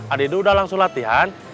adidu udah langsung latihan